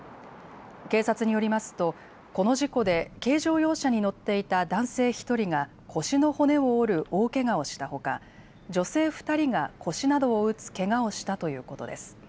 警察によりますとこの事故で軽乗用車に乗っていた男性１人が腰の骨を折る大けがをしたほか女性２人が腰などを打つけがをしたということです。